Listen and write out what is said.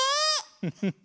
フフフ。